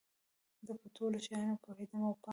زه په ټولو شیانو پوهیدم او پام مې و.